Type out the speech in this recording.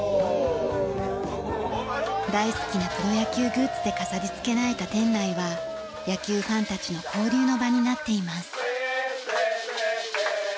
大好きなプロ野球グッズで飾り付けられた店内は野球ファンたちの交流の場になっています。